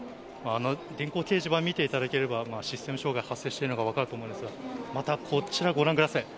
電光掲示板を見ていただければシステム障害が発生していることが分かると思うんですが、また、こちらご覧ください。